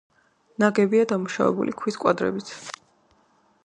ნაგებია დამუშავებული ქვის კვადრებით.